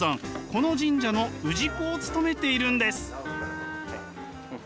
この神社の氏子を務めているんです。